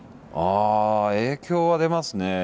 ああ影響は出ますね